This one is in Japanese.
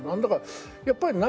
やっぱり何？